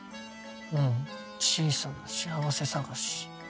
うん小さな幸せ探し。